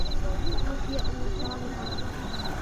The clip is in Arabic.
أوفـيــــاء من كــــرامِ العــــرب